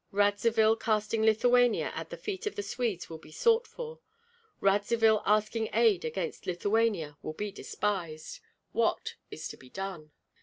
Radzivill casting Lithuania at the feet of the Swedes will be sought for; Radzivill asking aid against Lithuania will be despised. What is to be done?"